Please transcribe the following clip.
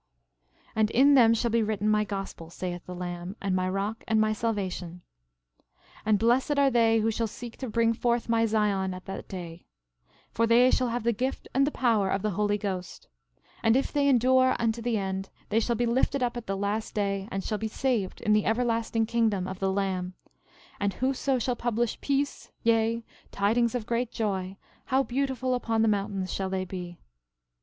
13:36 And in them shall be written my gospel, saith the Lamb, and my rock and my salvation. 13:37 And blessed are they who shall seek to bring forth my Zion at that day, for they shall have the gift and the power of the Holy Ghost; and if they endure unto the end they shall be lifted up at the last day, and shall be saved in the everlasting kingdom of the Lamb; and whoso shall publish peace, yea, tidings of great joy, how beautiful upon the mountains shall they be.